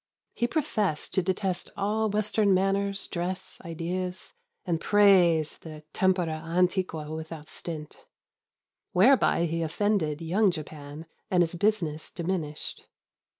He professed to detest all Western manners, dress, ideas ; and praised the tempora antiqua without stint. Whereby he offended young Japan, and his business diminished.